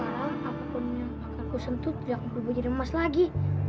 sekarang apapun yang akan ku sentuh tidak akan ku bunyi remas lagi